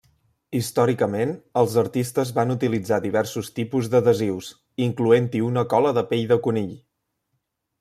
Històricament, els artistes van utilitzar diversos tipus d'adhesius, incloent-hi una cola de pell de conill.